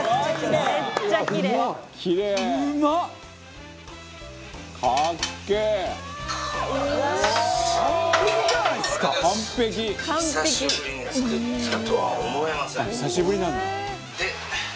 宮川：久しぶりに作ったとは思えません！